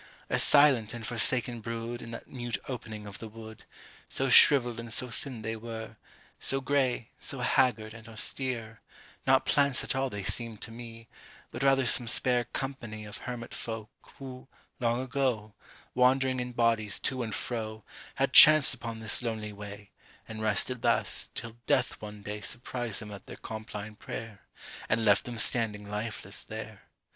A silent and forsaken brood In that mute opening of the wood, So shrivelled and so thin they were, So gray, so haggard, and austere, Not plants at all they seemed to me, But rather some spare company Of hermit folk, who long ago, Wandering in bodies to and fro, Had chanced upon this lonely way, And rested thus, till death one day Surprised them at their compline prayer, And left them standing lifeless there.